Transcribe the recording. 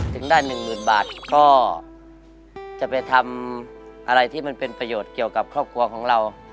ถึงได้หนึ่งหมื่นบาทก็จะไปทำอะไรที่มันเป็นประโยชน์เกี่ยวกับครอบครัวของเรา